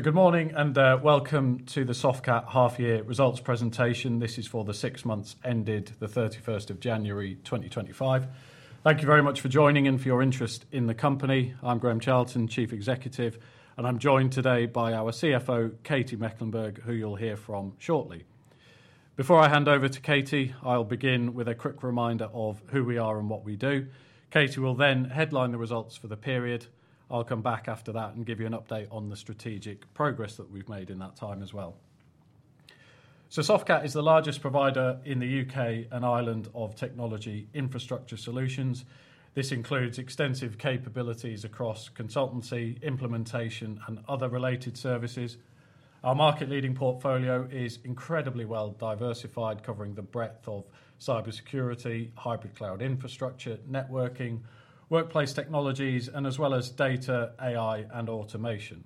Good morning and welcome to the Softcat half-year results presentation. This is for the six months ended the 31st of January 2025. Thank you very much for joining and for your interest in the company. I'm Graham Charlton, Chief Executive, and I'm joined today by our CFO, Katy Mecklenburgh, who you'll hear from shortly. Before I hand over to Katy, I'll begin with a quick reminder of who we are and what we do. Katy will then headline the results for the period. I'll come back after that and give you an update on the strategic progress that we've made in that time as well. Softcat is the largest provider in the U.K. and Ireland of technology infrastructure solutions. This includes extensive capabilities across consultancy, implementation, and other related services. Our market-leading portfolio is incredibly well diversified, covering the breadth of cybersecurity, hybrid cloud infrastructure, networking, workplace technologies, as well as data, AI, and automation.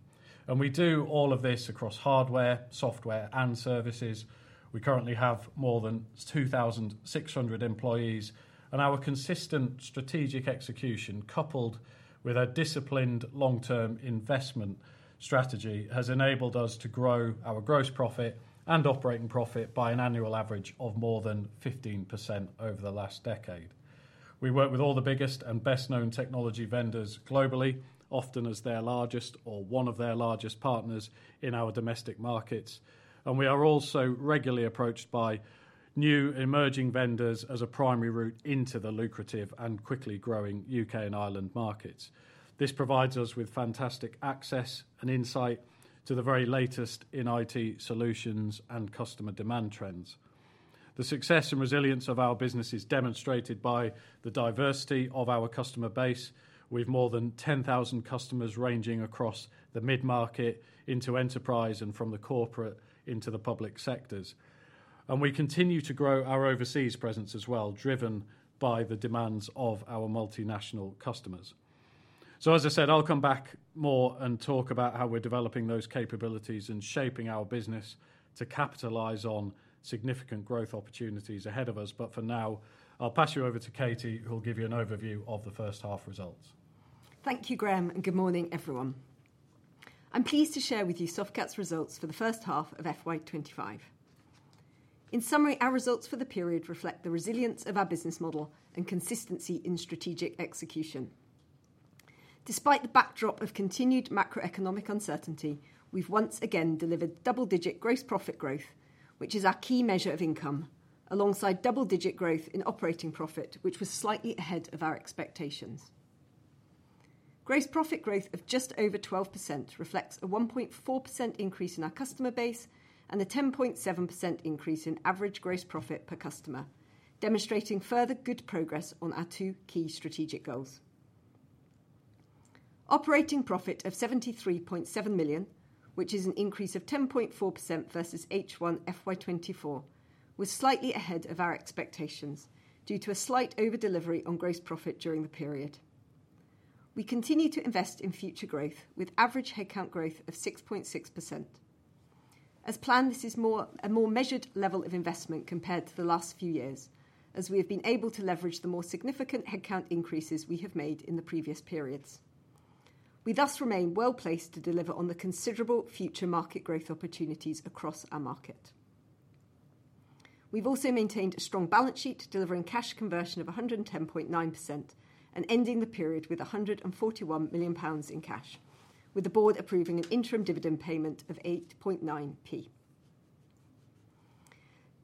We do all of this across hardware, software, and services. We currently have more than 2,600 employees, and our consistent strategic execution, coupled with a disciplined long-term investment strategy, has enabled us to grow our gross profit and operating profit by an annual average of more than 15% over the last decade. We work with all the biggest and best-known technology vendors globally, often as their largest or one of their largest partners in our domestic markets. We are also regularly approached by new emerging vendors as a primary route into the lucrative and quickly growing U.K. and Ireland markets. This provides us with fantastic access and insight to the very latest in IT solutions and customer demand trends. The success and resilience of our business is demonstrated by the diversity of our customer base, with more than 10,000 customers ranging across the mid-market into enterprise and from the corporate into the public sectors. We continue to grow our overseas presence as well, driven by the demands of our multinational customers. As I said, I'll come back more and talk about how we're developing those capabilities and shaping our business to capitalize on significant growth opportunities ahead of us. For now, I'll pass you over to Katy, who'll give you an overview of the first half results. Thank you, Gram, and good morning, everyone. I'm pleased to share with you Softcat's results for the first half of FY25. In summary, our results for the period reflect the resilience of our business model and consistency in strategic execution. Despite the backdrop of continued macroeconomic uncertainty, we've once again delivered double-digit gross profit growth, which is our key measure of income, alongside double-digit growth in operating profit, which was slightly ahead of our expectations. Gross profit growth of just over 12% reflects a 1.4% increase in our customer base and a 10.7% increase in average gross profit per customer, demonstrating further good progress on our two key strategic goals. Operating profit of 73.7 million, which is an increase of 10.4% versus H1 FY24, was slightly ahead of our expectations due to a slight overdelivery on gross profit during the period. We continue to invest in future growth, with average headcount growth of 6.6%. As planned, this is a more measured level of investment compared to the last few years, as we have been able to leverage the more significant headcount increases we have made in the previous periods. We thus remain well placed to deliver on the considerable future market growth opportunities across our market. We've also maintained a strong balance sheet, delivering cash conversion of 110.9% and ending the period with 141 million pounds in cash, with the board approving an interim dividend payment of 0.089.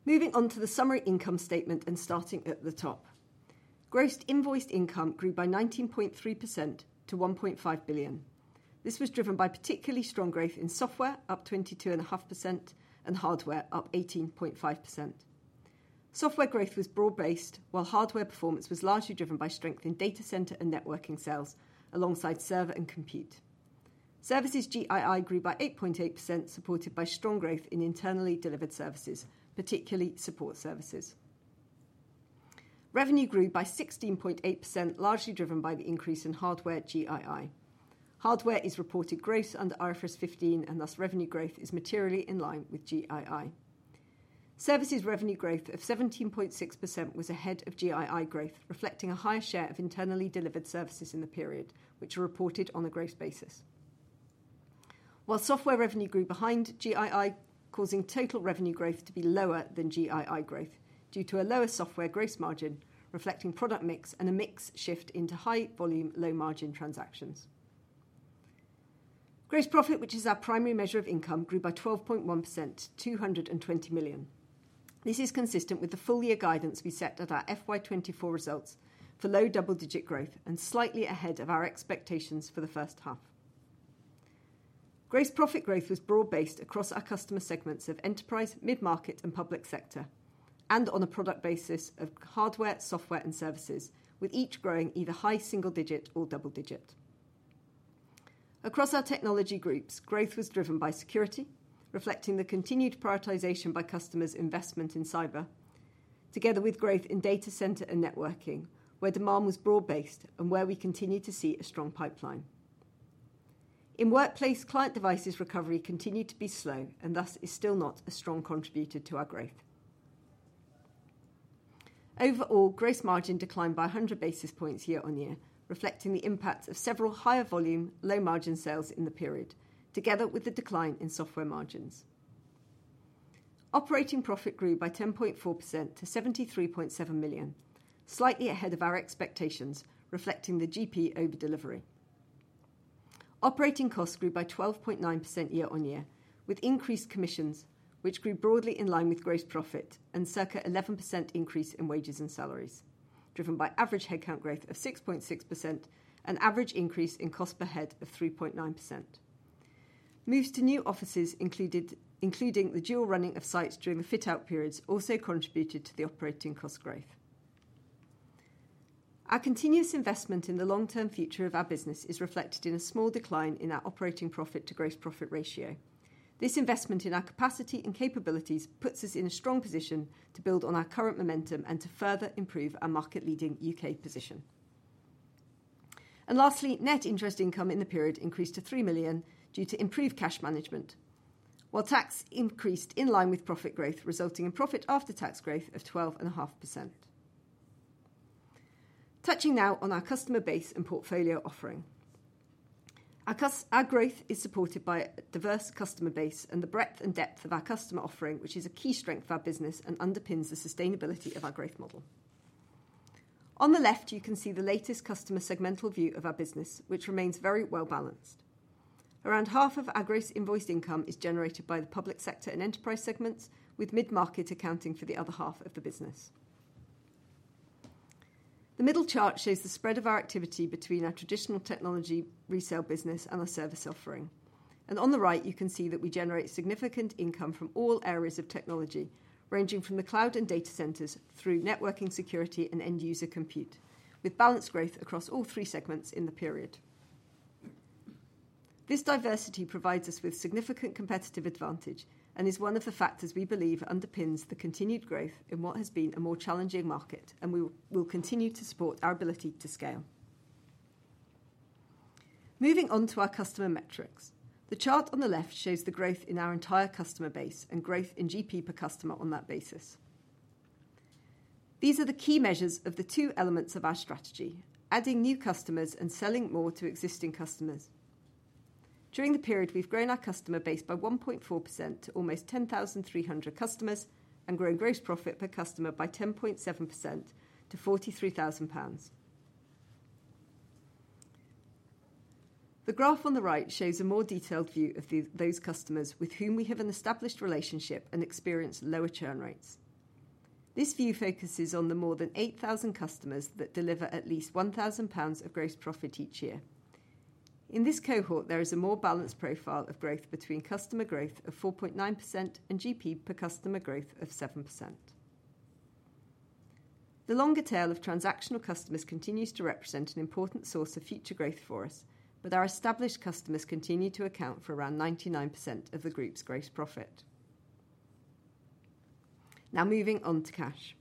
Moving on to the summary income statement and starting at the top. Gross invoiced income grew by 19.3% to 1.5 billion. This was driven by particularly strong growth in software, up 22.5%, and hardware, up 18.5%. Software growth was broad-based, while hardware performance was largely driven by strength in data center and networking sales, alongside server and compute. Services GII grew by 8.8%, supported by strong growth in internally delivered services, particularly support services. Revenue grew by 16.8%, largely driven by the increase in hardware GII. Hardware is reported gross under IFRS 15, and thus revenue growth is materially in line with GII. Services revenue growth of 17.6% was ahead of GII growth, reflecting a higher share of internally delivered services in the period, which were reported on a gross basis. While software revenue grew behind GII, causing total revenue growth to be lower than GII growth due to a lower software gross margin, reflecting product mix and a mix shift into high-volume, low-margin transactions. Gross profit, which is our primary measure of income, grew by 12.1% to 220 million. This is consistent with the full-year guidance we set at our FY2024 results for low double-digit growth and slightly ahead of our expectations for the first half. Gross profit growth was broad-based across our customer segments of enterprise, mid-market, and public sector, and on a product basis of hardware, software, and services, with each growing either high single-digit or double-digit. Across our technology groups, growth was driven by security, reflecting the continued prioritization by customers' investment in cyber, together with growth in data center and networking, where demand was broad-based and where we continue to see a strong pipeline. In workplace, client devices recovery continued to be slow and thus is still not a strong contributor to our growth. Overall, gross margin declined by 100 basis points year on year, reflecting the impacts of several higher volume, low-margin sales in the period, together with the decline in software margins. Operating profit grew by 10.4% to 73.7 million, slightly ahead of our expectations, reflecting the GP overdelivery. Operating costs grew by 12.9% year on year, with increased commissions, which grew broadly in line with gross profit and circa 11% increase in wages and salaries, driven by average headcount growth of 6.6% and average increase in cost per head of 3.9%. Moves to new offices, including the dual running of sites during the fit-out periods, also contributed to the operating cost growth. Our continuous investment in the long-term future of our business is reflected in a small decline in our operating profit to gross profit ratio. This investment in our capacity and capabilities puts us in a strong position to build on our current momentum and to further improve our market-leading U.K. position. Lastly, net interest income in the period increased to 3 million due to improved cash management, while tax increased in line with profit growth, resulting in profit after tax growth of 12.5%. Touching now on our customer base and portfolio offering. Our growth is supported by a diverse customer base and the breadth and depth of our customer offering, which is a key strength of our business and underpins the sustainability of our growth model. On the left, you can see the latest customer segmental view of our business, which remains very well balanced. Around half of our gross invoiced income is generated by the public sector and enterprise segments, with mid-market accounting for the other half of the business. The middle chart shows the spread of our activity between our traditional technology resale business and our service offering. On the right, you can see that we generate significant income from all areas of technology, ranging from the cloud and data centers through networking, security, and end-user compute, with balanced growth across all three segments in the period. This diversity provides us with significant competitive advantage and is one of the factors we believe underpins the continued growth in what has been a more challenging market, and we will continue to support our ability to scale. Moving on to our customer metrics, the chart on the left shows the growth in our entire customer base and growth in GP per customer on that basis. These are the key measures of the two elements of our strategy: adding new customers and selling more to existing customers. During the period, we've grown our customer base by 1.4% to almost 10,300 customers and grown gross profit per customer by 10.7% to GBP 43,000. The graph on the right shows a more detailed view of those customers with whom we have an established relationship and experience lower churn rates. This view focuses on the more than 8,000 customers that deliver at least 1,000 pounds of gross profit each year. In this cohort, there is a more balanced profile of growth between customer growth of 4.9% and GP per customer growth of 7%. The longer tail of transactional customers continues to represent an important source of future growth for us, but our established customers continue to account for around 99% of the group's gross profit. Now moving on to cash.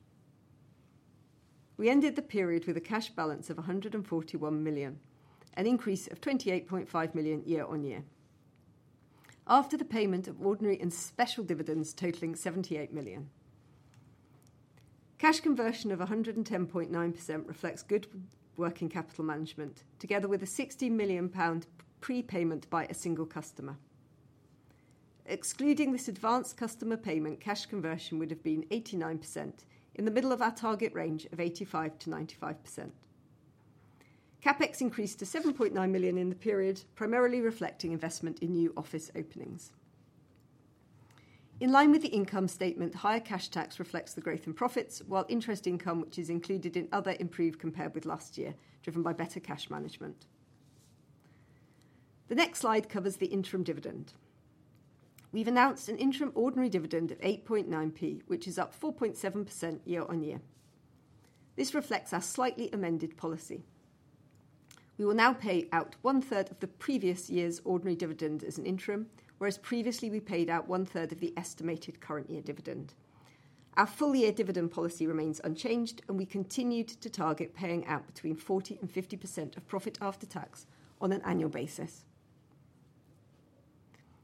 We ended the period with a cash balance of 141 million, an increase of 28.5 million year on year, after the payment of ordinary and special dividends totaling 78 million. Cash conversion of 110.9% reflects good working capital management, together with a 60 million pound prepayment by a single customer. Excluding this advanced customer payment, cash conversion would have been 89% in the middle of our target range of 85%-95%. CapEx increased to 7.9 million in the period, primarily reflecting investment in new office openings. In line with the income statement, higher cash tax reflects the growth in profits, while interest income, which is included in other, improved compared with last year, driven by better cash management. The next slide covers the interim dividend. We've announced an interim ordinary dividend of 0.089, which is up 4.7% year on year. This reflects our slightly amended policy. We will now pay out one-third of the previous year's ordinary dividend as an interim, whereas previously we paid out one-third of the estimated current year dividend. Our full-year dividend policy remains unchanged, and we continue to target paying out between 40% and 50% of profit after tax on an annual basis.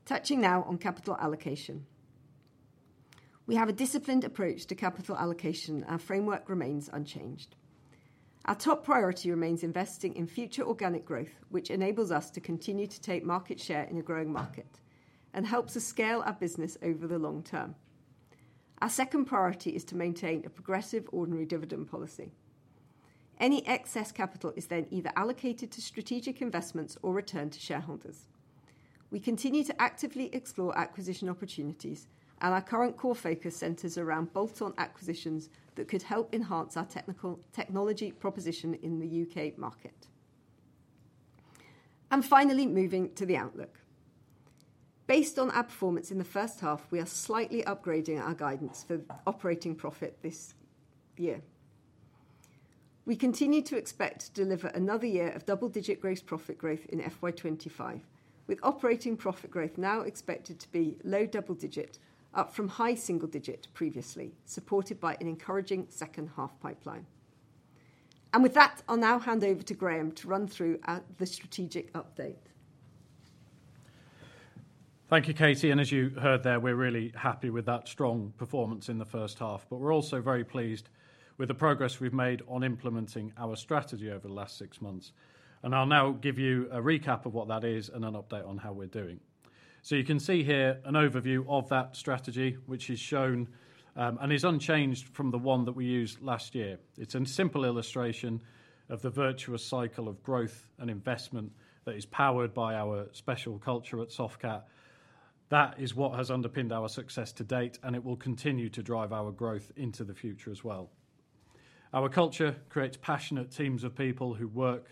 Touching now on capital allocation. We have a disciplined approach to capital allocation, and our framework remains unchanged. Our top priority remains investing in future organic growth, which enables us to continue to take market share in a growing market and helps us scale our business over the long term. Our second priority is to maintain a progressive ordinary dividend policy. Any excess capital is then either allocated to strategic investments or returned to shareholders. We continue to actively explore acquisition opportunities, and our current core focus centers around bolt-on acquisitions that could help enhance our technology proposition in the U.K. market. Finally, moving to the outlook. Based on our performance in the first half, we are slightly upgrading our guidance for operating profit this year. We continue to expect to deliver another year of double-digit gross profit growth in FY2025, with operating profit growth now expected to be low double-digit, up from high single-digit previously, supported by an encouraging second half pipeline. With that, I'll now hand over to Gram to run through the strategic update. Thank you, Katy. As you heard there, we're really happy with that strong performance in the first half, but we're also very pleased with the progress we've made on implementing our strategy over the last six months. I'll now give you a recap of what that is and an update on how we're doing. You can see here an overview of that strategy, which is shown and is unchanged from the one that we used last year. It's a simple illustration of the virtuous cycle of growth and investment that is powered by our special culture at Softcat. That is what has underpinned our success to date, and it will continue to drive our growth into the future as well. Our culture creates passionate teams of people who work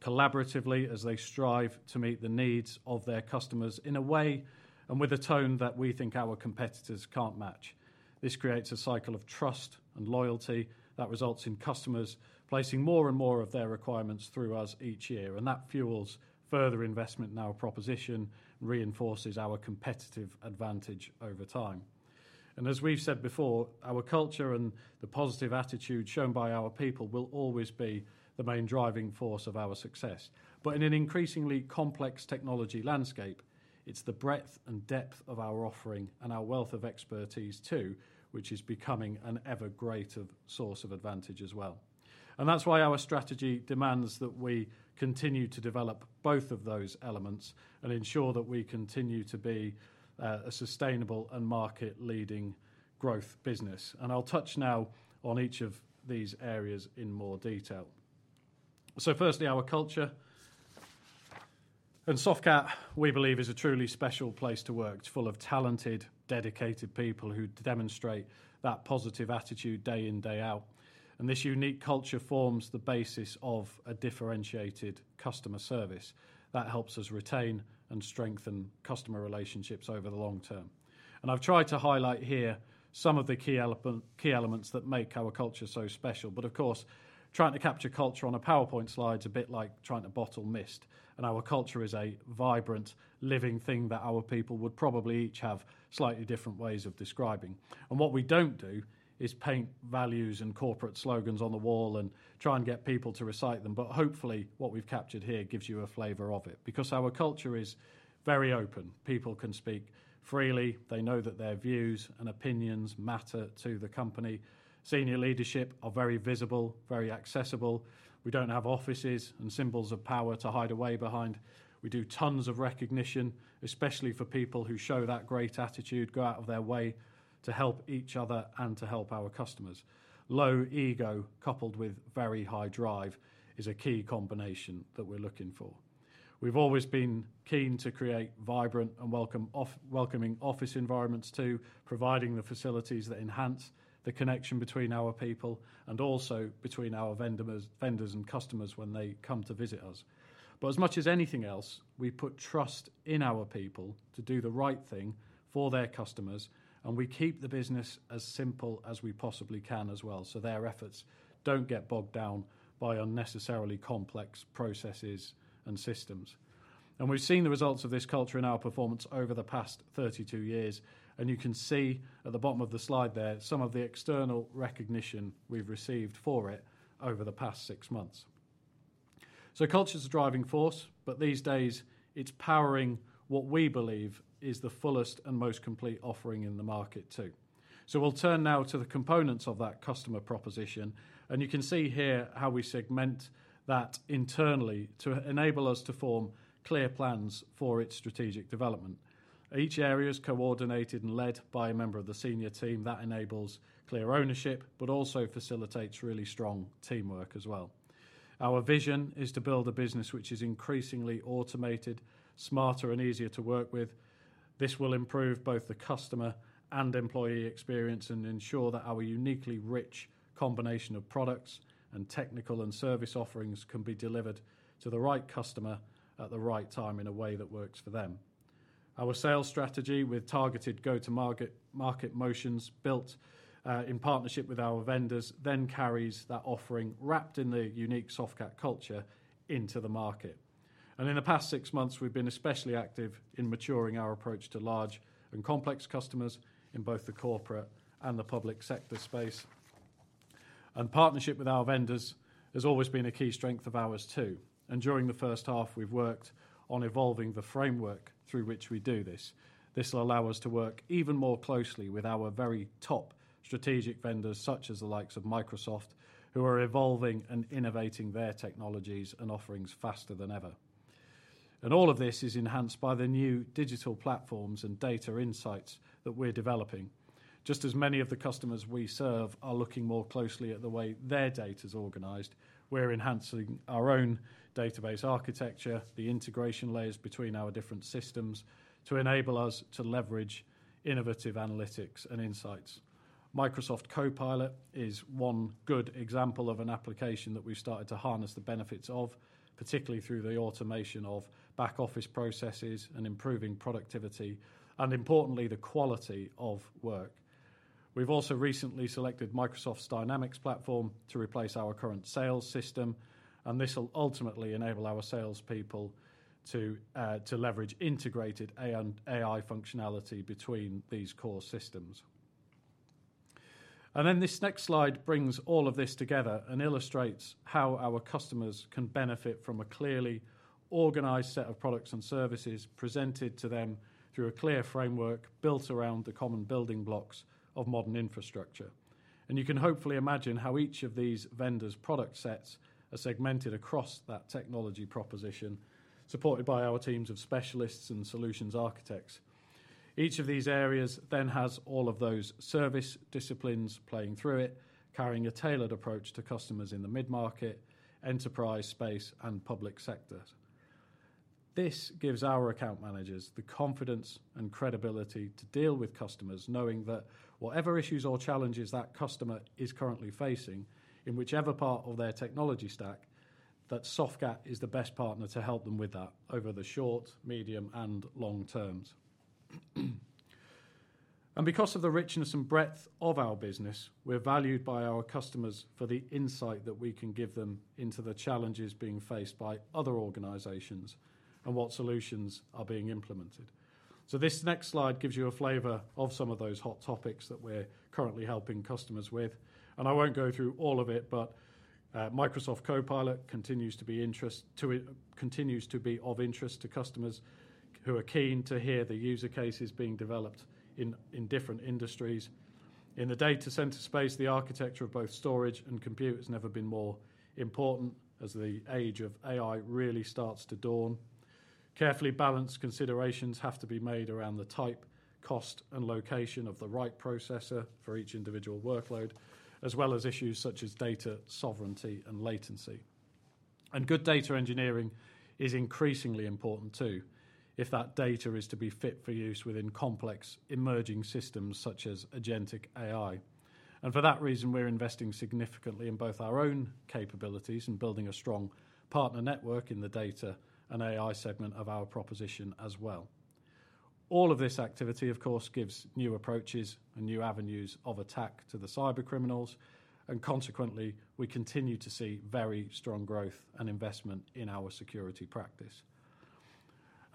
collaboratively as they strive to meet the needs of their customers in a way and with a tone that we think our competitors cannot match. This creates a cycle of trust and loyalty that results in customers placing more and more of their requirements through us each year. That fuels further investment in our proposition and reinforces our competitive advantage over time. As we have said before, our culture and the positive attitude shown by our people will always be the main driving force of our success. In an increasingly complex technology landscape, it is the breadth and depth of our offering and our wealth of expertise too, which is becoming an ever greater source of advantage as well. That is why our strategy demands that we continue to develop both of those elements and ensure that we continue to be a sustainable and market-leading growth business. I will touch now on each of these areas in more detail. Firstly, our culture. At Softcat, we believe it is a truly special place to work, full of talented, dedicated people who demonstrate that positive attitude day in, day out. This unique culture forms the basis of a differentiated customer service that helps us retain and strengthen customer relationships over the long term. I have tried to highlight here some of the key elements that make our culture so special. Of course, trying to capture culture on a PowerPoint slide is a bit like trying to bottle mist. Our culture is a vibrant, living thing that our people would probably each have slightly different ways of describing. What we do not do is paint values and corporate slogans on the wall and try and get people to recite them. Hopefully, what we have captured here gives you a flavor of it because our culture is very open. People can speak freely. They know that their views and opinions matter to the company. Senior leadership are very visible, very accessible. We do not have offices and symbols of power to hide away behind. We do tons of recognition, especially for people who show that great attitude, go out of their way to help each other and to help our customers. Low ego, coupled with very high drive, is a key combination that we are looking for. have always been keen to create vibrant and welcoming office environments too, providing the facilities that enhance the connection between our people and also between our vendors and customers when they come to visit us. As much as anything else, we put trust in our people to do the right thing for their customers, and we keep the business as simple as we possibly can as well so their efforts do not get bogged down by unnecessarily complex processes and systems. We have seen the results of this culture in our performance over the past 32 years. You can see at the bottom of the slide there some of the external recognition we have received for it over the past six months. Culture is a driving force, but these days, it is powering what we believe is the fullest and most complete offering in the market too. We will turn now to the components of that customer proposition. You can see here how we segment that internally to enable us to form clear plans for its strategic development. Each area is coordinated and led by a member of the senior team. That enables clear ownership, but also facilitates really strong teamwork as well. Our vision is to build a business which is increasingly automated, smarter, and easier to work with. This will improve both the customer and employee experience and ensure that our uniquely rich combination of products and technical and service offerings can be delivered to the right customer at the right time in a way that works for them. Our sales strategy with targeted go-to-market motions built in partnership with our vendors then carries that offering wrapped in the unique Softcat culture into the market. In the past six months, we've been especially active in maturing our approach to large and complex customers in both the corporate and the public sector space. Partnership with our vendors has always been a key strength of ours too. During the first half, we've worked on evolving the framework through which we do this. This will allow us to work even more closely with our very top strategic vendors, such as the likes of Microsoft, who are evolving and innovating their technologies and offerings faster than ever. All of this is enhanced by the new digital platforms and data insights that we're developing. Just as many of the customers we serve are looking more closely at the way their data is organized, we're enhancing our own database architecture, the integration layers between our different systems to enable us to leverage innovative analytics and insights. Microsoft Copilot is one good example of an application that we've started to harness the benefits of, particularly through the automation of back-office processes and improving productivity and, importantly, the quality of work. We've also recently selected Microsoft's Dynamics platform to replace our current sales system, and this will ultimately enable our salespeople to leverage integrated AI functionality between these core systems. This next slide brings all of this together and illustrates how our customers can benefit from a clearly organized set of products and services presented to them through a clear framework built around the common building blocks of modern infrastructure. You can hopefully imagine how each of these vendors' product sets are segmented across that technology proposition, supported by our teams of specialists and solutions architects. Each of these areas then has all of those service disciplines playing through it, carrying a tailored approach to customers in the mid-market, enterprise space, and public sectors. This gives our account managers the confidence and credibility to deal with customers, knowing that whatever issues or challenges that customer is currently facing in whichever part of their technology stack, that Softcat is the best partner to help them with that over the short, medium, and long terms. Because of the richness and breadth of our business, we're valued by our customers for the insight that we can give them into the challenges being faced by other organizations and what solutions are being implemented. This next slide gives you a flavor of some of those hot topics that we're currently helping customers with. I will not go through all of it, but Microsoft Copilot continues to be of interest to customers who are keen to hear the user cases being developed in different industries. In the data center space, the architecture of both storage and compute has never been more important as the age of AI really starts to dawn. Carefully balanced considerations have to be made around the type, cost, and location of the right processor for each individual workload, as well as issues such as data sovereignty and latency. Good data engineering is increasingly important too if that data is to be fit for use within complex emerging systems such as agentic AI. For that reason, we are investing significantly in both our own capabilities and building a strong partner network in the data and AI segment of our proposition as well. All of this activity, of course, gives new approaches and new avenues of attack to the cybercriminals. Consequently, we continue to see very strong growth and investment in our security practice.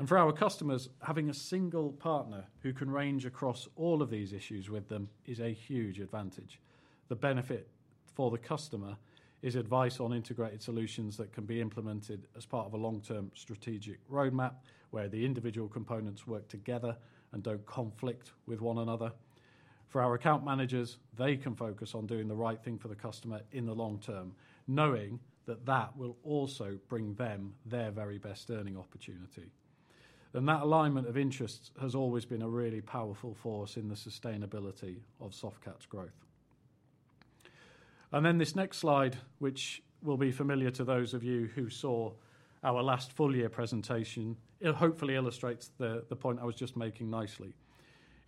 For our customers, having a single partner who can range across all of these issues with them is a huge advantage. The benefit for the customer is advice on integrated solutions that can be implemented as part of a long-term strategic roadmap where the individual components work together and do not conflict with one another. For our account managers, they can focus on doing the right thing for the customer in the long term, knowing that that will also bring them their very best earning opportunity. That alignment of interests has always been a really powerful force in the sustainability of Softcat's growth. This next slide, which will be familiar to those of you who saw our last full-year presentation, hopefully illustrates the point I was just making nicely.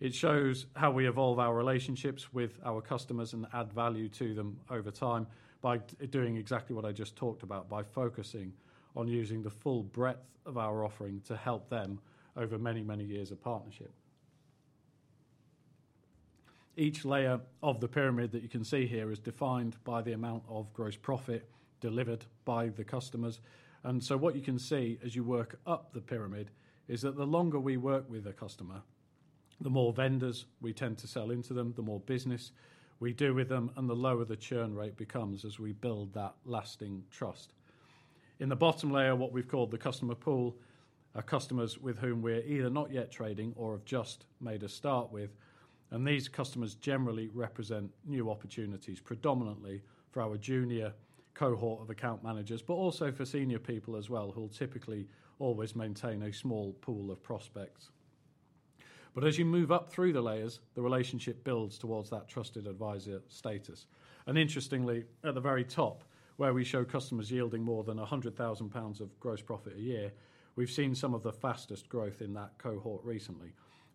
It shows how we evolve our relationships with our customers and add value to them over time by doing exactly what I just talked about, by focusing on using the full breadth of our offering to help them over many, many years of partnership. Each layer of the pyramid that you can see here is defined by the amount of gross profit delivered by the customers. What you can see as you work up the pyramid is that the longer we work with a customer, the more vendors we tend to sell into them, the more business we do with them, and the lower the churn rate becomes as we build that lasting trust. In the bottom layer, what we've called the customer pool, are customers with whom we're either not yet trading or have just made a start with. These customers generally represent new opportunities, predominantly for our junior cohort of account managers, but also for senior people as well, who will typically always maintain a small pool of prospects. As you move up through the layers, the relationship builds towards that trusted advisor status. Interestingly, at the very top, where we show customers yielding more than 100,000 pounds of gross profit a year, we've seen some of the fastest growth in that cohort recently.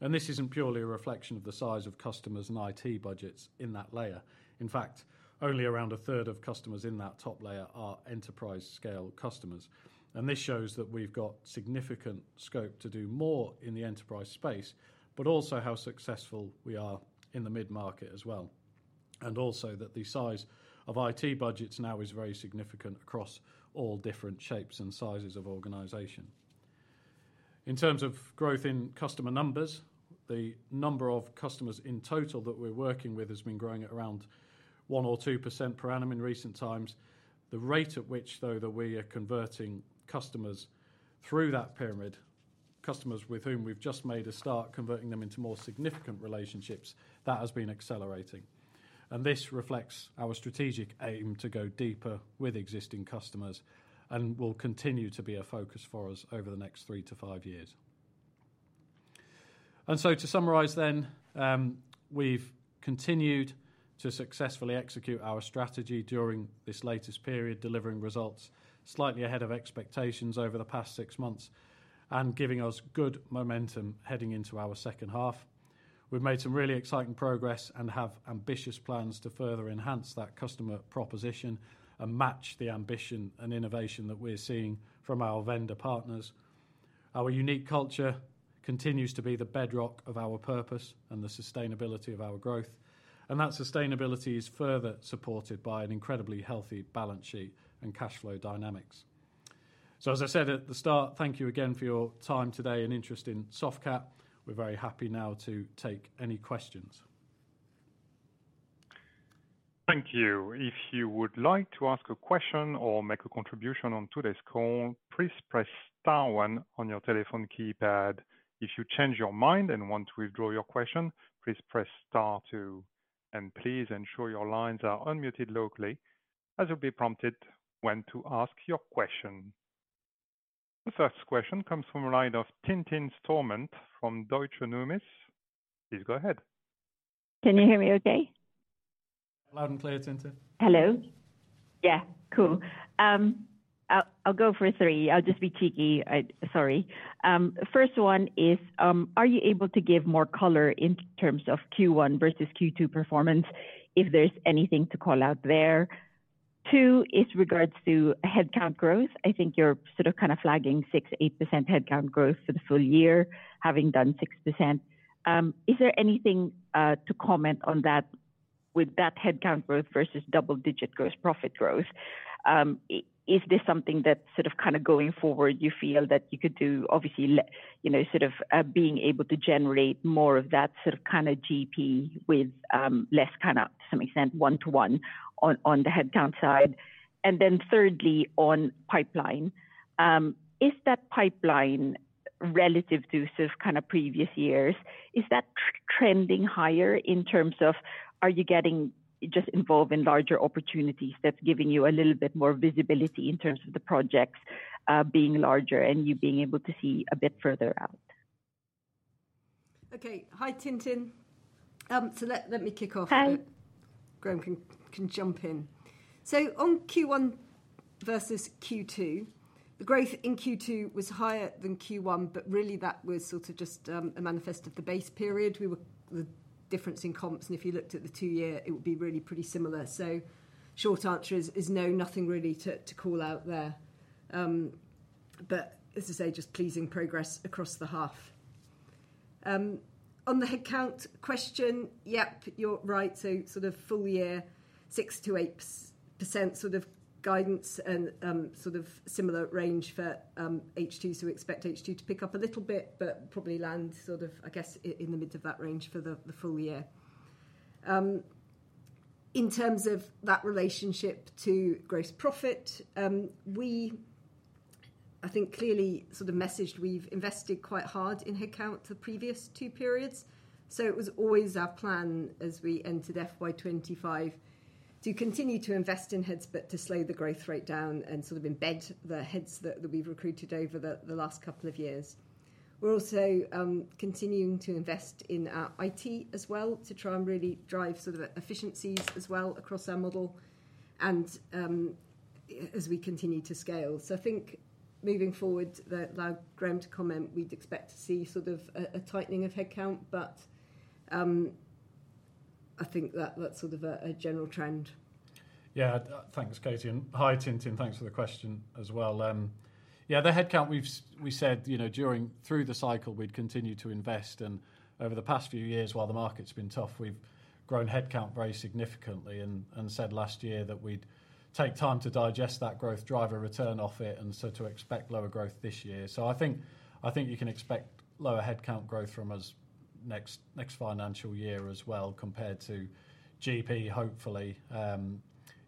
This is not purely a reflection of the size of customers' and IT budgets in that layer. In fact, only around a third of customers in that top layer are enterprise-scale customers. This shows that we've got significant scope to do more in the enterprise space, but also how successful we are in the mid-market as well. It also shows that the size of IT budgets now is very significant across all different shapes and sizes of organization. In terms of growth in customer numbers, the number of customers in total that we're working with has been growing at around 1% or 2% per annum in recent times. The rate at which, though, that we are converting customers through that pyramid, customers with whom we've just made a start, converting them into more significant relationships, that has been accelerating. This reflects our strategic aim to go deeper with existing customers and will continue to be a focus for us over the next three to five years. To summarize then, we've continued to successfully execute our strategy during this latest period, delivering results slightly ahead of expectations over the past six months and giving us good momentum heading into our second half. We've made some really exciting progress and have ambitious plans to further enhance that customer proposition and match the ambition and innovation that we're seeing from our vendor partners. Our unique culture continues to be the bedrock of our purpose and the sustainability of our growth. That sustainability is further supported by an incredibly healthy balance sheet and cash flow dynamics. As I said at the start, thank you again for your time today and interest in Softcat. We're very happy now to take any questions. Thank you. If you would like to ask a question or make a contribution on today's call, please press star one on your telephone keypad. If you change your mind and want to withdraw your question, please press star two. Please ensure your lines are unmuted locally as you'll be prompted when to ask your question. The first question comes from a line of Tintin Stormont from Deutsche Numis. Please go ahead. Can you hear me okay? Loud and clear, Tintin. Hello. Yeah, cool. I'll go for three. I'll just be cheeky. Sorry. First one is, are you able to give more color in terms of Q1 versus Q2 performance if there's anything to call out there? Two is regards to headcount growth. I think you're sort of kind of flagging 6%-8% headcount growth for the full year, having done 6%. Is there anything to comment on that with that headcount growth versus double-digit gross profit growth? Is this something that sort of kind of going forward you feel that you could do, obviously sort of being able to generate more of that sort of kind of GP with less kind of, to some extent, one-to-one on the headcount side? And then thirdly, on pipeline, is that pipeline relative to sort of kind of previous years? Is that trending higher in terms of are you getting just involved in larger opportunities that's giving you a little bit more visibility in terms of the projects being larger and you being able to see a bit further out? Okay. Hi, Tintin. Let me kick off. Hi. Gram can jump in. On Q1 versus Q2, the growth in Q2 was higher than Q1, but really that was sort of just a manifest of the base period. We were the difference in comps. If you looked at the two-year, it would be really pretty similar. Short answer is no, nothing really to call out there. As I say, just pleasing progress across the half. On the headcount question, yep, you're right. Full year, 6%-8% sort of guidance and similar range for H2, so we expect H2 to pick up a little bit, but probably land, I guess, in the midst of that range for the full year. In terms of that relationship to gross profit, we, I think, clearly sort of messaged we've invested quite hard in headcount the previous two periods. It was always our plan as we entered FY2025 to continue to invest in heads but to slow the growth rate down and sort of embed the heads that we've recruited over the last couple of years. We're also continuing to invest in our IT as well to try and really drive sort of efficiencies as well across our model as we continue to scale. I think moving forward, like Gram to comment, we'd expect to see sort of a tightening of headcount, but I think that's sort of a general trend. Yeah, thanks, Katy. Hi, Tintin. Thanks for the question as well. Yeah, the headcount, we said during through the cycle, we'd continue to invest. Over the past few years, while the market's been tough, we've grown headcount very significantly and said last year that we'd take time to digest that growth, drive a return off it, and to expect lower growth this year. I think you can expect lower headcount growth from us next financial year as well compared to GP, hopefully.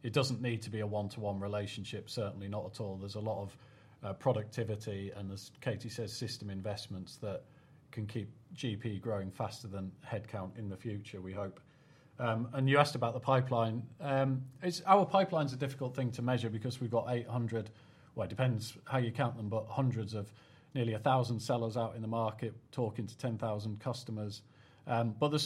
It doesn't need to be a one-to-one relationship, certainly not at all. There's a lot of productivity and, as Katy says, system investments that can keep GP growing faster than headcount in the future, we hope. You asked about the pipeline. Our pipeline's a difficult thing to measure because we've got 800, well, it depends how you count them, but hundreds of nearly 1,000 sellers out in the market talking to 10,000 customers. There is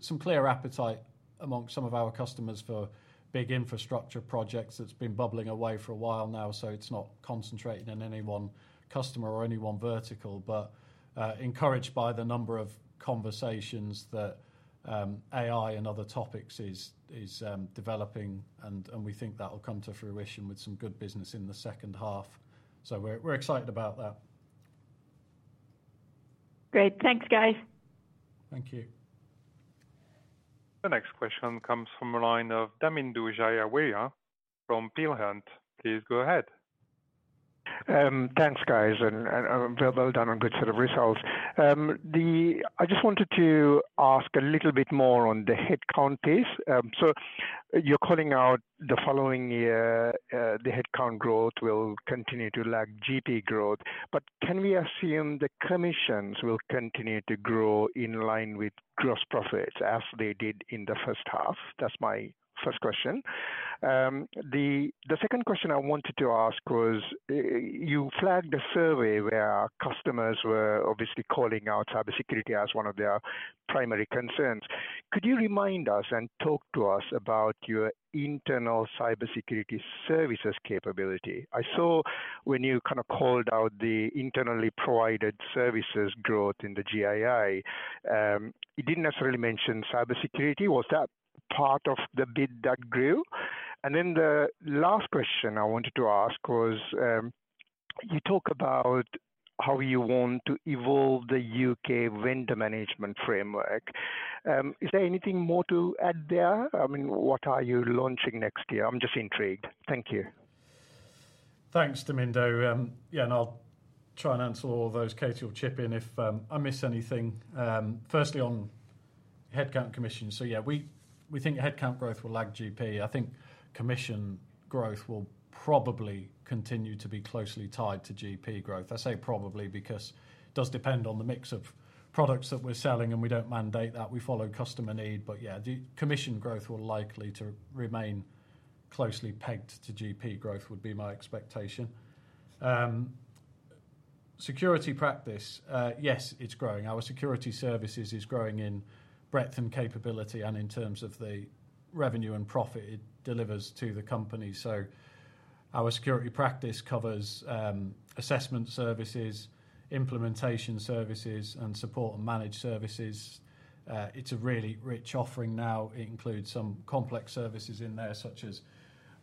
some clear appetite amongst some of our customers for big infrastructure projects that's been bubbling away for a while now, so it's not concentrating on any one customer or any one vertical, but encouraged by the number of conversations that AI and other topics is developing. We think that will come to fruition with some good business in the second half. We are excited about that. Great. Thanks, guys. Thank you. The next question comes from a line of Damindu Jayaweera from Peel Hunt. Please go ahead. Thanks, guys. And well done on good sort of results. I just wanted to ask a little bit more on the headcount piece. So you're calling out the following year, the headcount growth will continue to lag GP growth. But can we assume the commissions will continue to grow in line with gross profits as they did in the first half? That's my first question. The second question I wanted to ask was, you flagged a survey where customers were obviously calling out cybersecurity as one of their primary concerns. Could you remind us and talk to us about your internal cybersecurity services capability? I saw when you kind of called out the internally provided services growth in the GII, it didn't necessarily mention cybersecurity. Was that part of the bid that grew? The last question I wanted to ask was, you talk about how you want to evolve the U.K. vendor management framework. Is there anything more to add there? I mean, what are you launching next year? I'm just intrigued. Thank you. Thanks, Damindo. Yeah, and I'll try and answer all of those. Katy, you'll chip in if I miss anything. Firstly, on headcount commission, so yeah, we think headcount growth will lag GP. I think commission growth will probably continue to be closely tied to GP growth. I say probably because it does depend on the mix of products that we're selling, and we don't mandate that. We follow customer need. Yeah, commission growth will likely remain closely pegged to GP growth, would be my expectation. Security practice, yes, it's growing. Our security services is growing in breadth and capability and in terms of the revenue and profit it delivers to the company. Our security practice covers assessment services, implementation services, and support and manage services. It's a really rich offering now. It includes some complex services in there, such as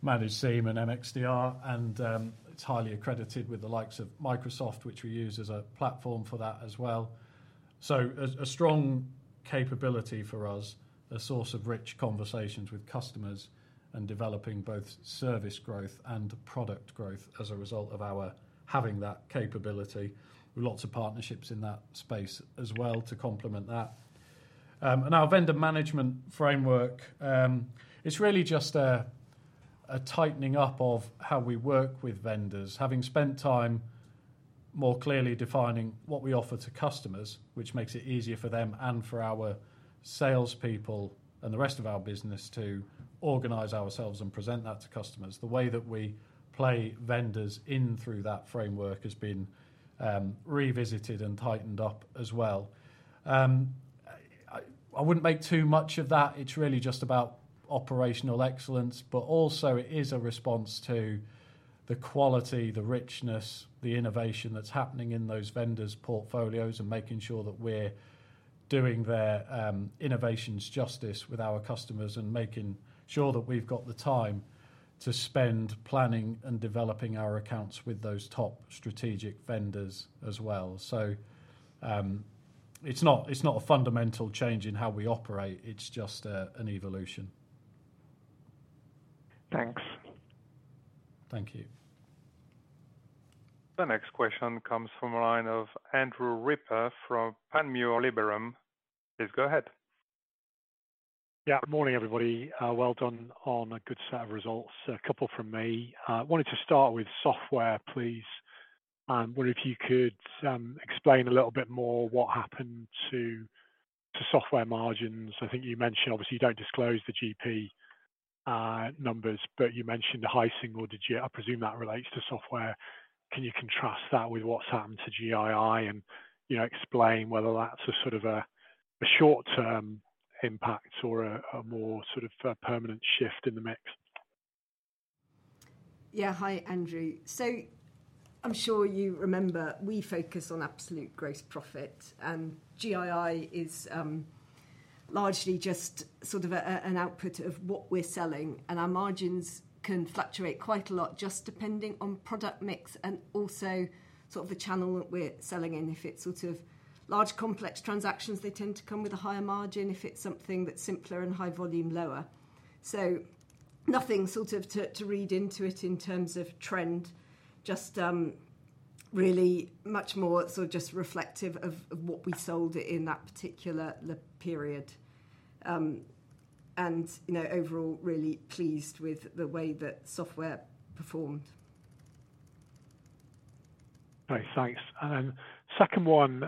managed SIEM and MXDR, and it's highly accredited with the likes of Microsoft, which we use as a platform for that as well. A strong capability for us, a source of rich conversations with customers and developing both service growth and product growth as a result of our having that capability. We have lots of partnerships in that space as well to complement that. Our vendor management framework, it's really just a tightening up of how we work with vendors, having spent time more clearly defining what we offer to customers, which makes it easier for them and for our salespeople and the rest of our business to organize ourselves and present that to customers. The way that we play vendors in through that framework has been revisited and tightened up as well. I wouldn't make too much of that. It's really just about operational excellence, but also it is a response to the quality, the richness, the innovation that's happening in those vendors' portfolios and making sure that we're doing their innovations justice with our customers and making sure that we've got the time to spend planning and developing our accounts with those top strategic vendors as well. It is not a fundamental change in how we operate. It's just an evolution. Thanks. Thank you. The next question comes from a line of Andrew Ripper from Panmure Liberum. Please go ahead. Yeah, good morning, everybody. Well done on a good set of results. A couple from me. I wanted to start with software, please. I wonder if you could explain a little bit more what happened to software margins. I think you mentioned, obviously, you do not disclose the GP numbers, but you mentioned the hiking or I presume that relates to software. Can you contrast that with what has happened to GII and explain whether that is a sort of a short-term impact or a more sort of permanent shift in the mix? Yeah, hi, Andrew. I'm sure you remember we focus on absolute gross profit, and GII is largely just sort of an output of what we're selling. Our margins can fluctuate quite a lot just depending on product mix and also sort of the channel that we're selling in. If it's sort of large, complex transactions, they tend to come with a higher margin. If it's something that's simpler and high volume, lower. Nothing to read into it in terms of trend, just really much more sort of just reflective of what we sold in that particular period. Overall, really pleased with the way that software performed. Great, thanks. Second one,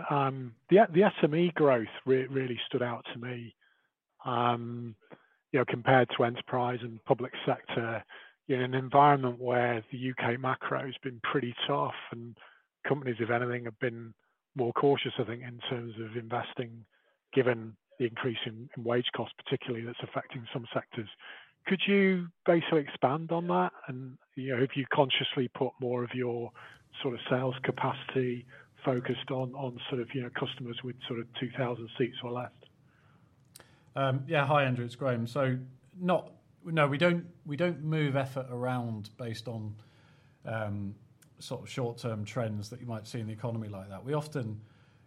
the SME growth really stood out to me compared to enterprise and public sector in an environment where the U.K. macro has been pretty tough and companies, if anything, have been more cautious, I think, in terms of investing, given the increase in wage costs, particularly, that's affecting some sectors. Could you basically expand on that? Have you consciously put more of your sort of sales capacity focused on sort of customers with sort of 2,000 seats or less? Yeah, hi, Andrew. It's Gram. No, we don't move effort around based on sort of short-term trends that you might see in the economy like that. We often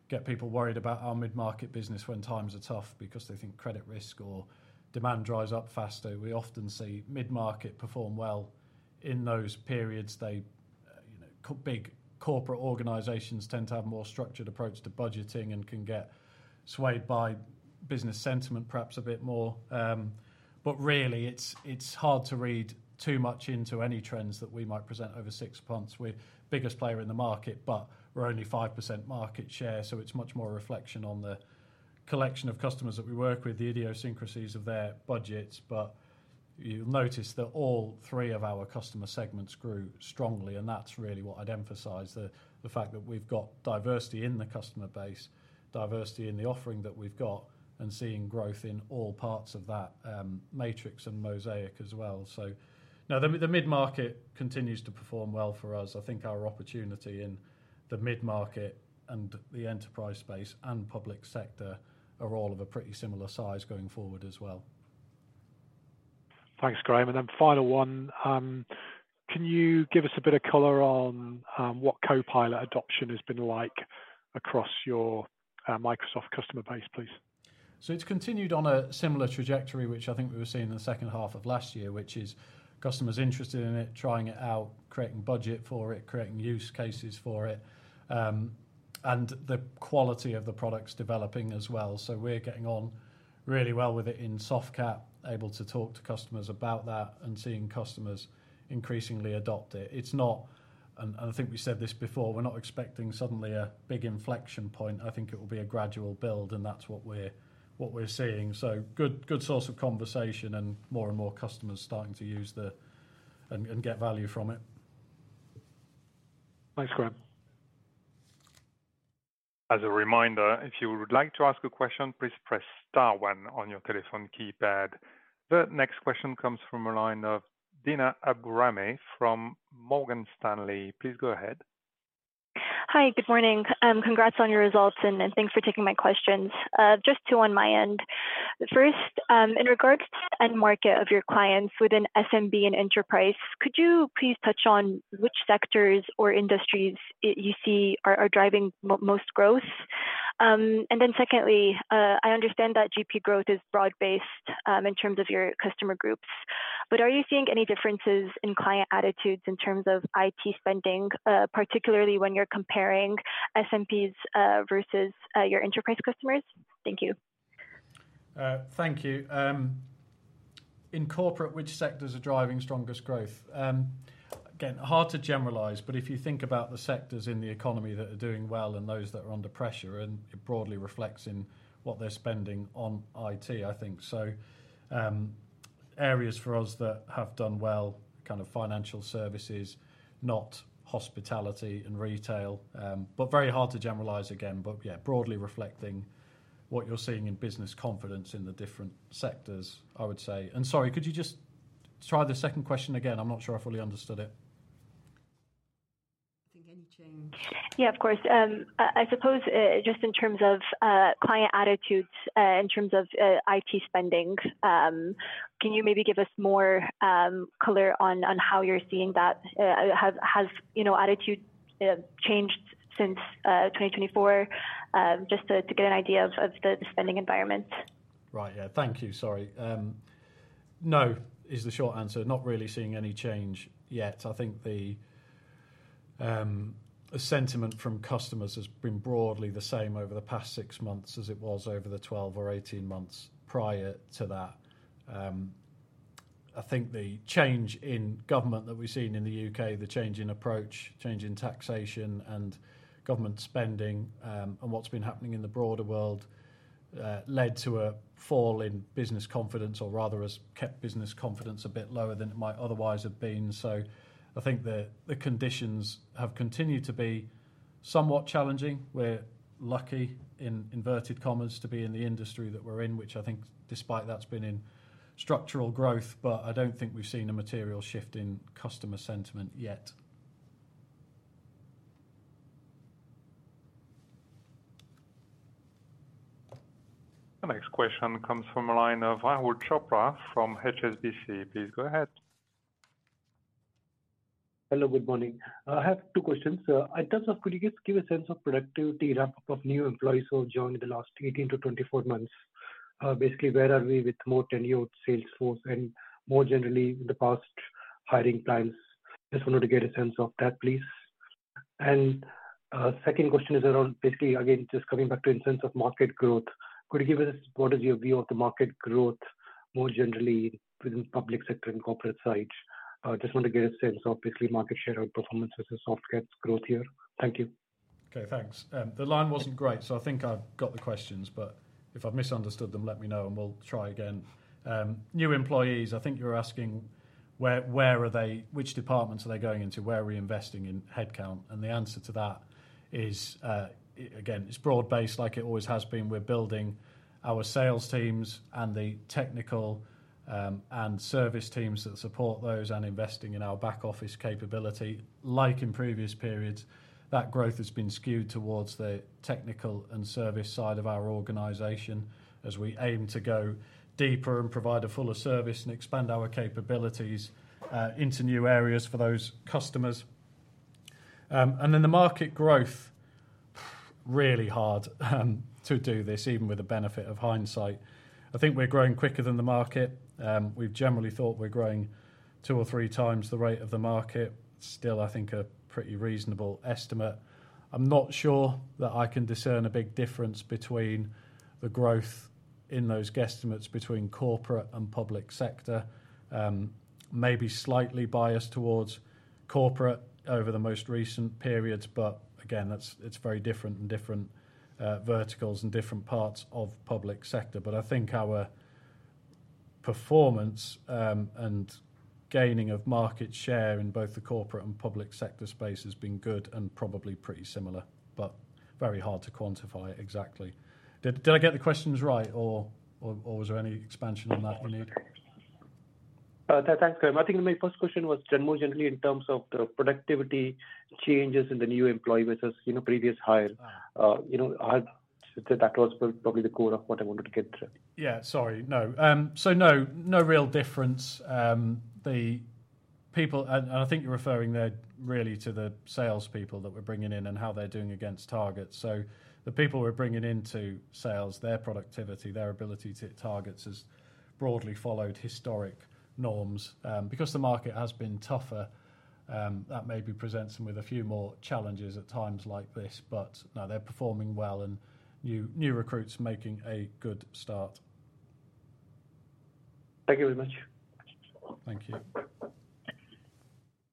get people worried about our mid-market business when times are tough because they think credit risk or demand dries up faster. We often see mid-market perform well in those periods. Big corporate organizations tend to have a more structured approach to budgeting and can get swayed by business sentiment, perhaps a bit more. Really, it's hard to read too much into any trends that we might present over six months. We're the biggest player in the market, but we're only 5% market share. It's much more a reflection on the collection of customers that we work with, the idiosyncrasies of their budgets. You'll notice that all three of our customer segments grew strongly. That is really what I'd emphasize, the fact that we've got diversity in the customer base, diversity in the offering that we've got, and seeing growth in all parts of that matrix and mosaic as well. No, the mid-market continues to perform well for us. I think our opportunity in the mid-market and the enterprise space and public sector are all of a pretty similar size going forward as well. Thanks, Gram. Final one. Can you give us a bit of color on what Copilot adoption has been like across your Microsoft customer base, please? It has continued on a similar trajectory, which I think we were seeing in the second half of last year, which is customers interested in it, trying it out, creating budget for it, creating use cases for it, and the quality of the products developing as well. We are getting on really well with it in Softcat, able to talk to customers about that and seeing customers increasingly adopt it. I think we said this before, we are not expecting suddenly a big inflection point. I think it will be a gradual build, and that is what we are seeing. It is a good source of conversation and more and more customers starting to use it and get value from it. Thanks, Gram. As a reminder, if you would like to ask a question, please press star one on your telephone keypad. The next question comes from a line of Dina Abu-Rahmeh from Morgan Stanley. Please go ahead. Hi, good morning. Congrats on your results, and thanks for taking my questions. Just two on my end. First, in regards to the end market of your clients within SMB and enterprise, could you please touch on which sectors or industries you see are driving most growth? Secondly, I understand that GP growth is broad-based in terms of your customer groups, but are you seeing any differences in client attitudes in terms of IT spending, particularly when you're comparing SMBs versus your enterprise customers? Thank you. Thank you. In corporate, which sectors are driving strongest growth? Again, hard to generalize, but if you think about the sectors in the economy that are doing well and those that are under pressure, it broadly reflects in what they're spending on IT, I think. Areas for us that have done well, kind of financial services, not hospitality and retail, but very hard to generalize again, but yeah, broadly reflecting what you're seeing in business confidence in the different sectors, I would say. Sorry, could you just try the second question again? I'm not sure I fully understood it. I think any change. Yeah, of course. I suppose just in terms of client attitudes, in terms of IT spending, can you maybe give us more color on how you're seeing that? Has attitude changed since 2024? Just to get an idea of the spending environment. Right, yeah. Thank you. Sorry. No, is the short answer. Not really seeing any change yet. I think the sentiment from customers has been broadly the same over the past six months as it was over the 12 or 18 months prior to that. I think the change in government that we've seen in the U.K., the change in approach, change in taxation and government spending, and what's been happening in the broader world led to a fall in business confidence, or rather has kept business confidence a bit lower than it might otherwise have been. I think the conditions have continued to be somewhat challenging. We're lucky in inverted commas to be in the industry that we're in, which I think, despite that, has been in structural growth, but I don't think we've seen a material shift in customer sentiment yet. The next question comes from a line of Anwar Chopra from HSBC. Please go ahead. Hello, good morning. I have two questions. In terms of could you give a sense of productivity ramp-up of new employees who have joined in the last 18 months-24 months? Basically, where are we with more tenured salesforce and more generally in the past hiring plans? Just wanted to get a sense of that, please. Second question is around basically, again, just coming back to in terms of market growth, could you give us what is your view of the market growth more generally within the public sector and corporate side? Just want to get a sense of basically market share and performance versus Softcat's growth here. Thank you. Okay, thanks. The line wasn't great, so I think I've got the questions, but if I've misunderstood them, let me know and we'll try again. New employees, I think you're asking where are they? Which departments are they going into? Where are we investing in headcount? The answer to that is, again, it's broad-based like it always has been. We're building our sales teams and the technical and service teams that support those and investing in our back office capability. Like in previous periods, that growth has been skewed towards the technical and service side of our organization as we aim to go deeper and provide a fuller service and expand our capabilities into new areas for those customers. The market growth, really hard to do this even with the benefit of hindsight. I think we're growing quicker than the market. We've generally thought we're growing two or three times the rate of the market. Still, I think a pretty reasonable estimate. I'm not sure that I can discern a big difference between the growth in those guesstimates between corporate and public sector. Maybe slightly biased towards corporate over the most recent periods, but again, it's very different in different verticals and different parts of public sector. I think our performance and gaining of market share in both the corporate and public sector space has been good and probably pretty similar, but very hard to quantify exactly. Did I get the questions right, or was there any expansion on that you need? Thanks, Gram. I think my first question was generally in terms of the productivity changes in the new employee versus previous hire. That was probably the core of what I wanted to get through. Yeah, sorry. No. No real difference. I think you're referring there really to the salespeople that we're bringing in and how they're doing against targets. The people we're bringing into sales, their productivity, their ability to hit targets has broadly followed historic norms. Because the market has been tougher, that maybe presents them with a few more challenges at times like this, but no, they're performing well and new recruits making a good start. Thank you very much. Thank you.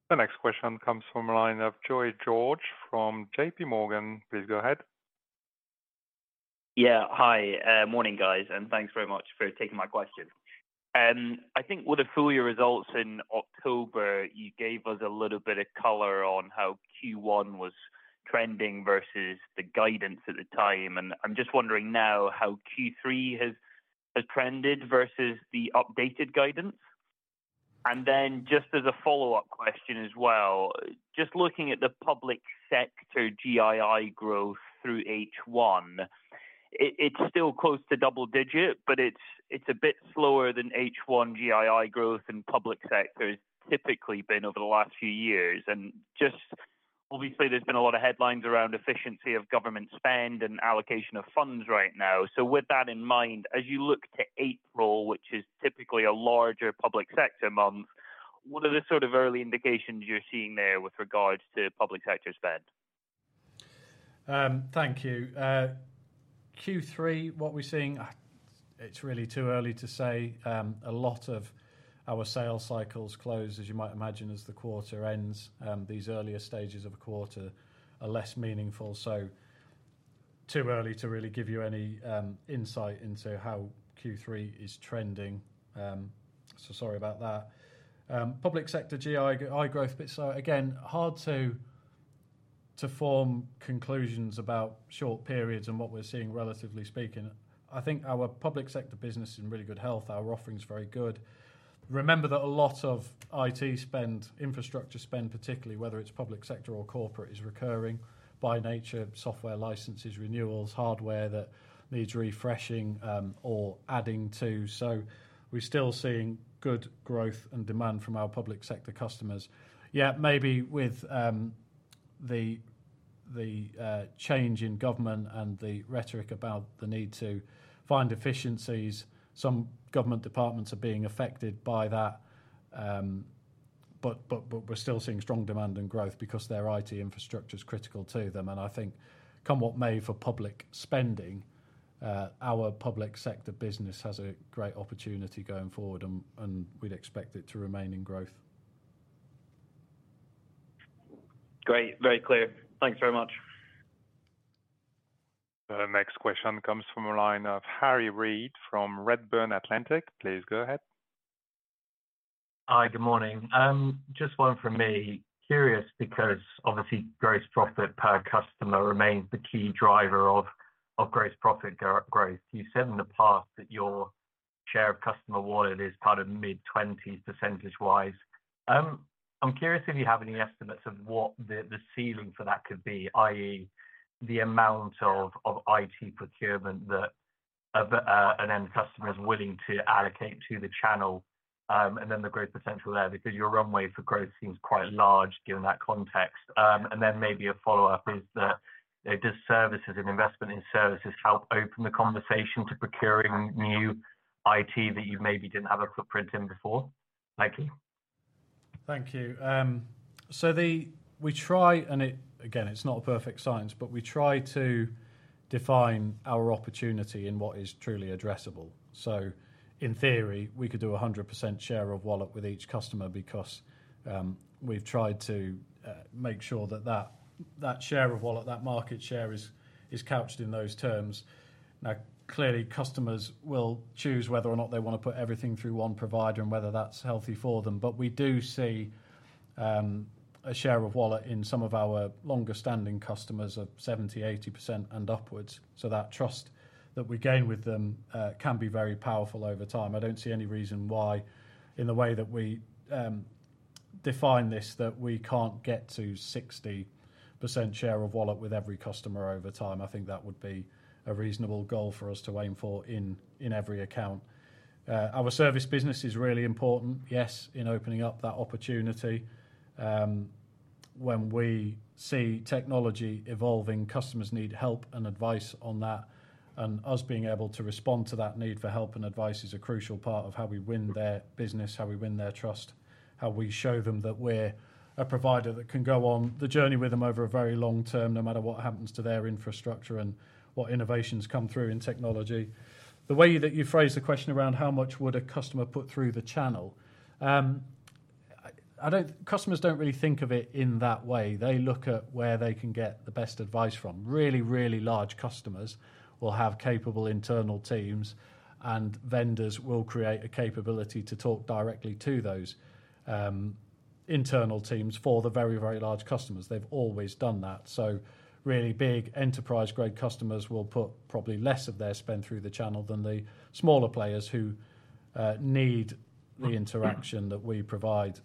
The next question comes from a line of Joe George from JP Morgan. Please go ahead. Yeah, hi. Morning, guys, and thanks very much for taking my question. I think with the full year results in October, you gave us a little bit of color on how Q1 was trending versus the guidance at the time. I am just wondering now how Q3 has trended versus the updated guidance. Just as a follow-up question as well, just looking at the public sector GII growth through H1, it is still close to double-digit, but it is a bit slower than H1 GII growth in public sector has typically been over the last few years. Obviously, there has been a lot of headlines around efficiency of government spend and allocation of funds right now. With that in mind, as you look to April, which is typically a larger public sector month, what are the sort of early indications you're seeing there with regards to public sector spend? Thank you. Q3, what we're seeing, it's really too early to say. A lot of our sales cycles close, as you might imagine, as the quarter ends. These earlier stages of a quarter are less meaningful. Too early to really give you any insight into how Q3 is trending. Sorry about that. Public sector GII growth a bit slower. Again, hard to form conclusions about short periods and what we're seeing, relatively speaking. I think our public sector business is in really good health. Our offering's very good. Remember that a lot of IT spend, infrastructure spend, particularly whether it's public sector or corporate, is recurring by nature: software licenses, renewals, hardware that needs refreshing or adding to. We're still seeing good growth and demand from our public sector customers. Yeah, maybe with the change in government and the rhetoric about the need to find efficiencies, some government departments are being affected by that. We are still seeing strong demand and growth because their IT infrastructure is critical to them. I think come what may for public spending, our public sector business has a great opportunity going forward, and we would expect it to remain in growth. Great. Very clear. Thanks very much. The next question comes from a line of Harry Read from Redburn Atlantic. Please go ahead. Hi, good morning. Just one from me. Curious because obviously gross profit per customer remains the key driver of gross profit growth. You said in the past that your share of customer wallet is kind of mid-20s percentagewise. I'm curious if you have any estimates of what the ceiling for that could be, i.e., the amount of IT procurement that an end customer is willing to allocate to the channel and then the growth potential there because your runway for growth seems quite large given that context. Maybe a follow-up is that does services and investment in services help open the conversation to procuring new IT that you maybe didn't have a footprint in before? Thank you. Thank you. We try, and again, it's not a perfect science, but we try to define our opportunity in what is truly addressable. In theory, we could do a 100% share of wallet with each customer because we've tried to make sure that that share of wallet, that market share is couched in those terms. Now, clearly, customers will choose whether or not they want to put everything through one provider and whether that's healthy for them. We do see a share of wallet in some of our longer-standing customers of 70%-80% and upwards. That trust that we gain with them can be very powerful over time. I don't see any reason why in the way that we define this that we can't get to 60% share of wallet with every customer over time. I think that would be a reasonable goal for us to aim for in every account. Our service business is really important, yes, in opening up that opportunity. When we see technology evolving, customers need help and advice on that. Us being able to respond to that need for help and advice is a crucial part of how we win their business, how we win their trust, how we show them that we're a provider that can go on the journey with them over a very long term, no matter what happens to their infrastructure and what innovations come through in technology. The way that you phrase the question around how much would a customer put through the channel, customers do not really think of it in that way. They look at where they can get the best advice from. Really, really large customers will have capable internal teams, and vendors will create a capability to talk directly to those internal teams for the very, very large customers. They've always done that. Really big enterprise-grade customers will put probably less of their spend through the channel than the smaller players who need the interaction that we provide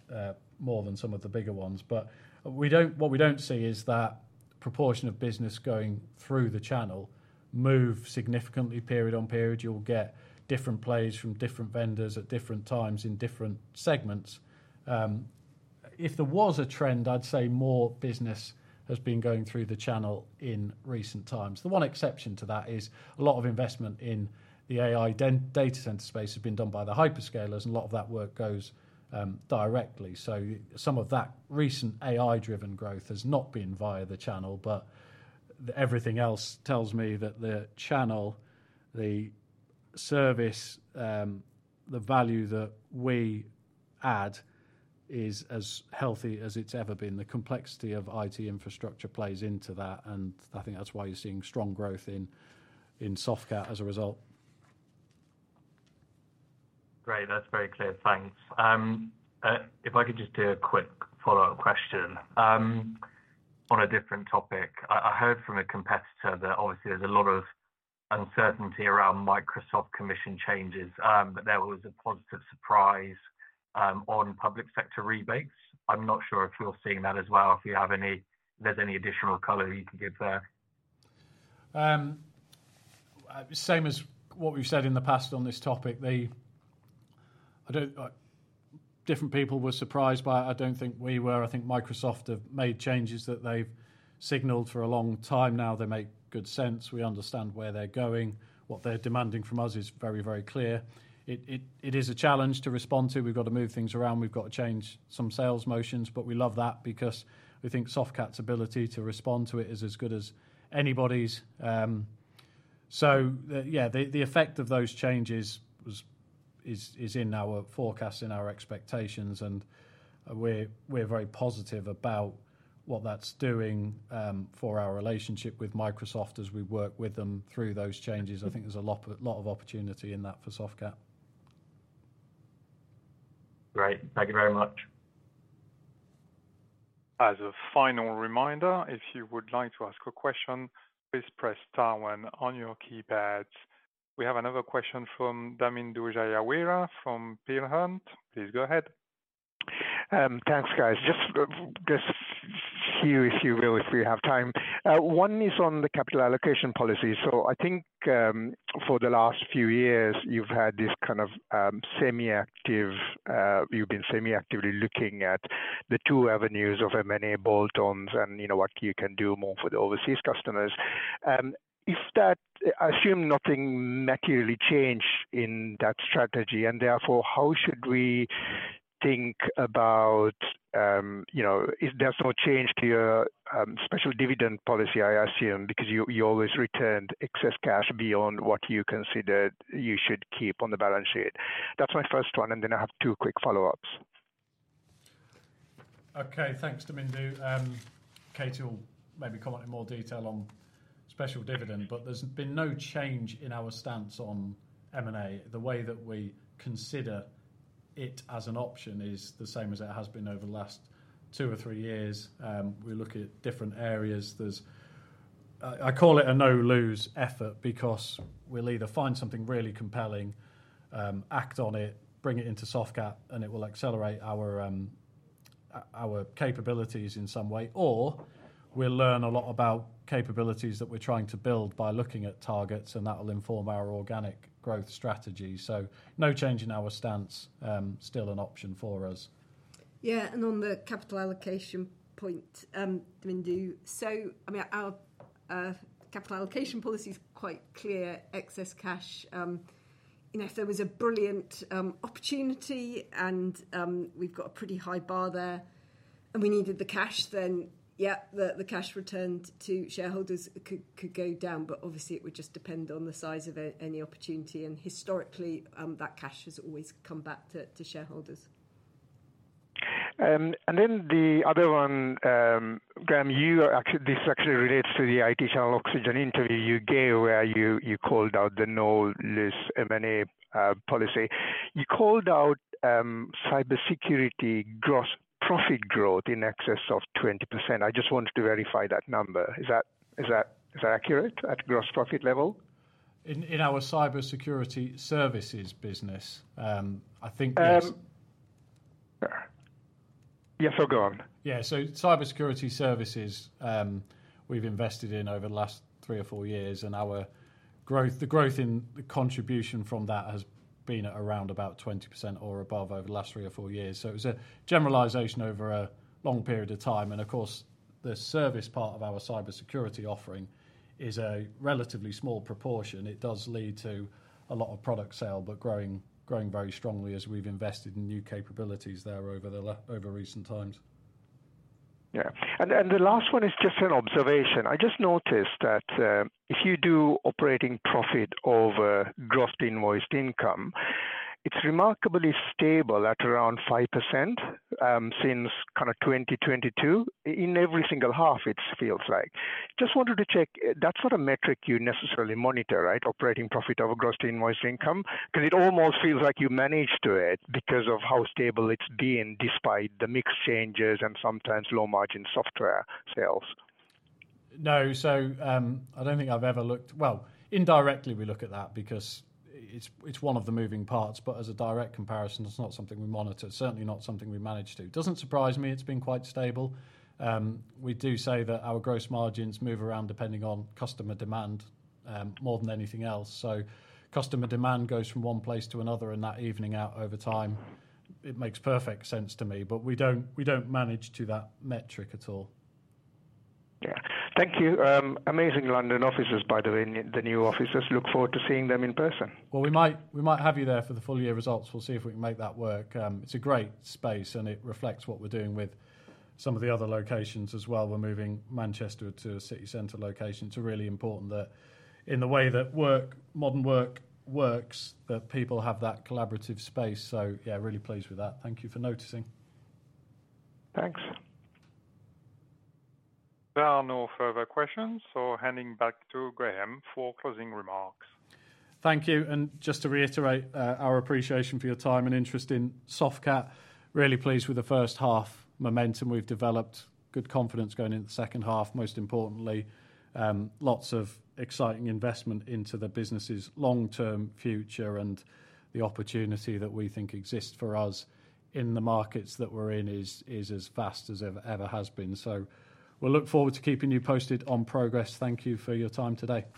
more than some of the bigger ones. What we don't see is that proportion of business going through the channel move significantly period on period. You'll get different plays from different vendors at different times in different segments. If there was a trend, I'd say more business has been going through the channel in recent times. The one exception to that is a lot of investment in the AI data center space has been done by the hyperscalers, and a lot of that work goes directly. Some of that recent AI-driven growth has not been via the channel, but everything else tells me that the channel, the service, the value that we add is as healthy as it's ever been. The complexity of IT infrastructure plays into that, and I think that's why you're seeing strong growth in Softcat as a result. Great. That's very clear. Thanks. If I could just do a quick follow-up question on a different topic. I heard from a competitor that obviously there's a lot of uncertainty around Microsoft commission changes, but there was a positive surprise on public sector rebates. I'm not sure if you're seeing that as well. If you have any additional color you can give there. Same as what we've said in the past on this topic. Different people were surprised by it. I don't think we were. I think Microsoft have made changes that they've signaled for a long time now. They make good sense. We understand where they're going. What they're demanding from us is very, very clear. It is a challenge to respond to. We've got to move things around. We've got to change some sales motions, but we love that because we think Softcat's ability to respond to it is as good as anybody's. Yeah, the effect of those changes is in our forecast, in our expectations, and we're very positive about what that's doing for our relationship with Microsoft as we work with them through those changes. I think there's a lot of opportunity in that for Softcat. Great. Thank you very much. As a final reminder, if you would like to ask a question, please press star one on your keypad. We have another question from Damindu Jayaweera from Peel Hunt. Please go ahead. Thanks, guys. Just a few, if you will, if we have time. One is on the capital allocation policy. I think for the last few years, you've had this kind of semi-active, you've been semi-actively looking at the two avenues of M&A bolt-ons and what you can do more for the overseas customers. I assume nothing materially changed in that strategy, and therefore, how should we think about if there's no change to your special dividend policy, I assume, because you always returned excess cash beyond what you considered you should keep on the balance sheet. That's my first one, and then I have two quick follow-ups. Okay. Thanks, Damindu. Kate will maybe comment in more detail on special dividend, but there's been no change in our stance on M&A. The way that we consider it as an option is the same as it has been over the last two or three years. We look at different areas. I call it a no-lose effort because we'll either find something really compelling, act on it, bring it into Softcat, and it will accelerate our capabilities in some way, or we'll learn a lot about capabilities that we're trying to build by looking at targets, and that will inform our organic growth strategy. No change in our stance, still an option for us. Yeah. On the capital allocation point, Damindu, I mean, our capital allocation policy is quite clear. Excess cash, if there was a brilliant opportunity and we have a pretty high bar there and we needed the cash, then yeah, the cash returned to shareholders could go down, but obviously it would just depend on the size of any opportunity. Historically, that cash has always come back to shareholders. The other one, Gram, this actually relates to the IT Channel Oxygen interview you gave where you called out the no-lose M&A policy. You called out cybersecurity profit growth in excess of 20%. I just wanted to verify that number. Is that accurate at gross profit level? In our cybersecurity services business, I think. Yes, go on. Yeah. Cybersecurity services we've invested in over the last three or four years, and the growth in the contribution from that has been around about 20% or above over the last three or four years. It was a generalization over a long period of time. Of course, the service part of our cybersecurity offering is a relatively small proportion. It does lead to a lot of product sale, but growing very strongly as we've invested in new capabilities there over recent times. Yeah. The last one is just an observation. I just noticed that if you do operating profit over gross invoiced income, it's remarkably stable at around 5% since kind of 2022 in every single half, it feels like. I just wanted to check, that's not a metric you necessarily monitor, right, operating profit over gross invoiced income? Because it almost feels like you managed to it because of how stable it's been despite the mixed changes and sometimes low-margin software sales. No. I do not think I have ever looked, well, indirectly we look at that because it is one of the moving parts, but as a direct comparison, it is not something we monitor. Certainly not something we manage to. Does not surprise me. It has been quite stable. We do say that our gross margins move around depending on customer demand more than anything else. Customer demand goes from one place to another and that evening out over time. It makes perfect sense to me, but we do not manage to that metric at all. Yeah. Thank you. Amazing London offices, by the way, the new offices. Look forward to seeing them in person. We might have you there for the full year results. We'll see if we can make that work. It's a great space, and it reflects what we're doing with some of the other locations as well. We're moving Manchester to a city center location. It's really important that in the way that modern work works, that people have that collaborative space. Yeah, really pleased with that. Thank you for noticing. Thanks. There are no further questions,F so handing back to Gram for closing remarks. Thank you. Just to reiterate our appreciation for your time and interest in Softcat. Really pleased with the first half momentum we've developed. Good confidence going into the second half, most importantly. Lots of exciting investment into the business's long-term future, and the opportunity that we think exists for us in the markets that we're in is as vast as it ever has been. We look forward to keeping you posted on progress. Thank you for your time today.